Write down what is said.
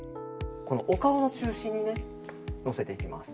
お顔の中心にのせていきます。